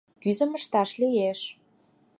— Кӱзым ышташ лиеш.